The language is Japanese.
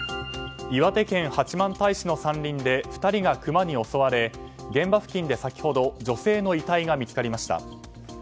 岩手県八幡平市の山林で２人がクマに襲われ現場付近で先ほど女性の遺体が見つかりました。